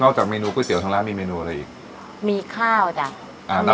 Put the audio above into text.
จากเมนูก๋วยเตี๋ยทางร้านมีเมนูอะไรอีกมีข้าวจ้ะอ่านะ